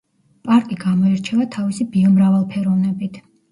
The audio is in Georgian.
პარკი გამოირჩევა თავისი ბიომრავალფეროვნებით.